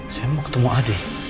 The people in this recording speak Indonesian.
saya mau ketemu ade